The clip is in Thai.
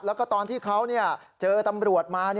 แล้วก็ตอนที่เขาเจอตำรวจมา